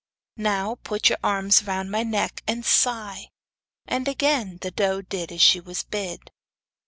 'Now put your arms round my neck, and sigh.' And again the doe did as she was bid.